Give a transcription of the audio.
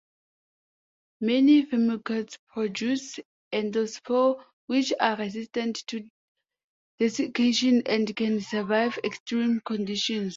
Many Firmicutes produce endospores, which are resistant to desiccation and can survive extreme conditions.